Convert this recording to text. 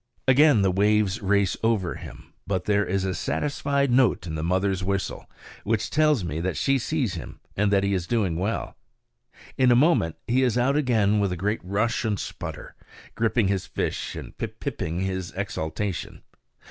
Again the waves race over him; but there is a satisfied note in the mother's whistle which tells me that she sees him, and that he is doing well. In a moment he is out again with a great rush and sputter, gripping his fish and pip pipping his exultation.